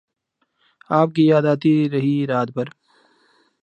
آپ کی یاد آتی رہی رات بھر